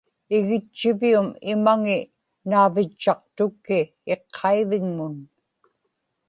igitchivium imaŋi naavitchaqtukki iqqaivigmun